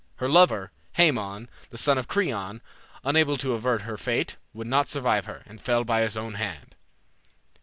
Her lover, Haemon, the son of Creon, unable to avert her fate, would not survive her, and fell by his own hand.